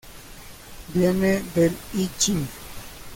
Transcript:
Viene del I Ching.